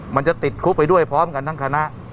มันจะติดคุกไปด้วยพร้อมกันทั้งคณะ